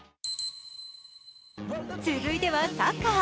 続いてはサッカー。